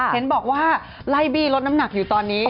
เห็นบอกว่าไล่บี้ลดน้ำหนักอยู่ตอนนี้